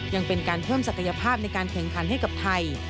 ยังเป็นการเพิ่มศักยภาพในการแข่งขันให้กับไทย